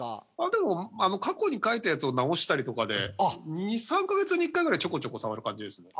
でも過去に書いたやつを直したりとかで２３カ月に１回ぐらいちょこちょこ触る感じですね。